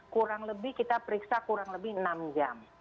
kurang lebih kita periksa kurang lebih enam jam